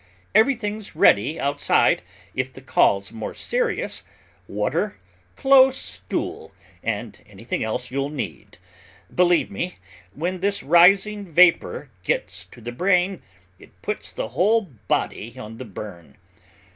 Everything's ready outside, if the call's more serious, water, close stool, and anything else you'll need. Believe me, when this rising vapor gets to the brain, it puts the whole body on the burn.